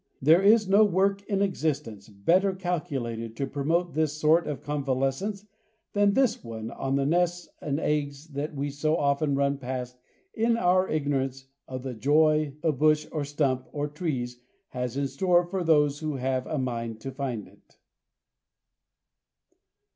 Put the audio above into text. There is no work in existence better calculated to promote this sort of convalescence than this one on the nests and eggs that we so often run past in our ignorance of the joy a bush or stump or tree has in store for those who have a mind to find it.